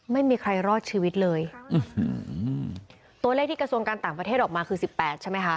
ไม่มีใครรอดชีวิตเลยตัวเลขที่กระทรวงการต่างประเทศออกมาคือสิบแปดใช่ไหมคะ